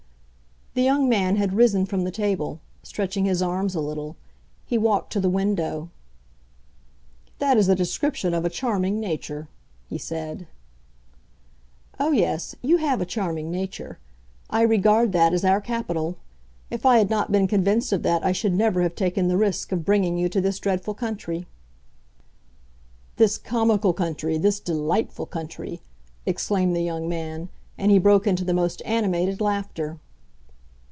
'" The young man had risen from the table, stretching his arms a little; he walked to the window. "That is a description of a charming nature," he said. "Oh, yes, you have a charming nature; I regard that as our capital. If I had not been convinced of that I should never have taken the risk of bringing you to this dreadful country." "This comical country, this delightful country!" exclaimed the young man, and he broke into the most animated laughter.